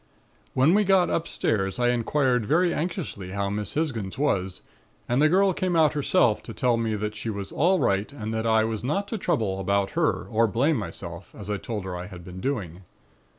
"When we got upstairs I inquired very anxiously how Miss Hisgins was and the girl came out herself to tell me that she was all right and that I was not to trouble about her, or blame myself, as I told her I had been doing.